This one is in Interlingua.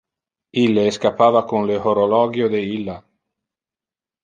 Ille escappava con le horologio de illa.